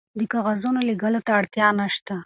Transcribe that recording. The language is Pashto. د کاغذونو لیږلو ته اړتیا نشته.